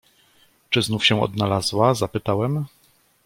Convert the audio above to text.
"„Czy znów się odnalazła?“ zapytałem."